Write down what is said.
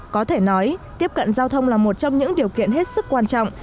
có thể nói tiếp cận giao thông là một trong những điều kiện hết sức quan trọng